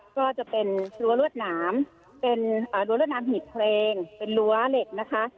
ก็จะเป็นรั้วรวดหนามเป็นรั้วรวดน้ำหีบเพลงเป็นรั้วเหล็กนะคะ